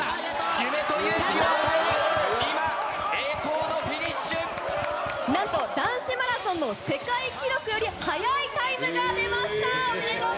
夢と勇気を与える、今、栄光のフなんと男子マラソンの世界記録より速いタイムが出ました！